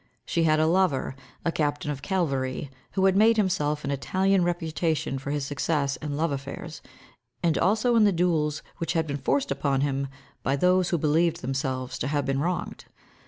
She had a lover, a captain of cavalry, who had made himself an Italian reputation for his success in love affairs, and also in the duels which had been forced upon him by those who believed themselves to have been wronged.